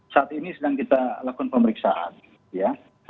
saat ini sedang kita lakukan pemeriksaan ya